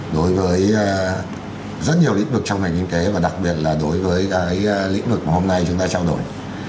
đối với rất nhiều lĩnh vực trong ngành kinh tế và đặc biệt là đối với cái lĩnh vực mà hôm nay chúng ta trao đổi